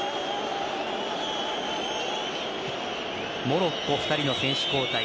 モロッコは２人の選手交代